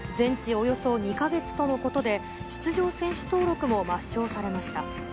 およそ２か月とのことで、出場選手登録も抹消されました。